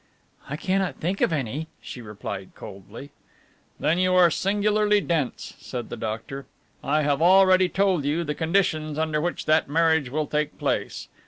"I cannot think of any," she replied coldly. "Then you are singularly dense," said the doctor. "I have already told you the conditions under which that marriage will take place.